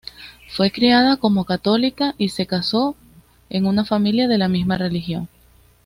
Fue criada como católica, y se casó en una familia de la misma religión.